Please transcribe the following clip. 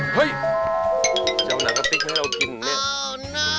เฮ้ยเจ้าหนังสติ๊กให้เรากินเนี่ย